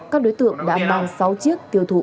các đối tượng đã mang sáu chiếc tiêu thụ